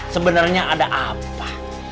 sebenarnya ada apa